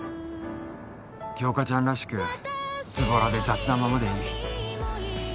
杏花ちゃんらしくズボラで雑なままでいい